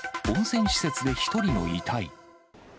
温泉施設で１人の遺体。